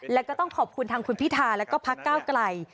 แล้วก็ต้องขอบคุณทางคุณพิธาแล้วก็พักก้าวไกล